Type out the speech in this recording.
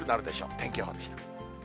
天気予報でした。